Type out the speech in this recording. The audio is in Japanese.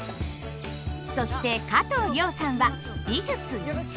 そして加藤諒さんは「美術Ⅰ」。